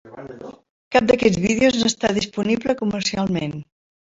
Cap d'aquests vídeos no està disponible comercialment.